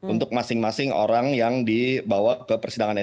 untuk masing masing orang yang dibawa ke perusahaan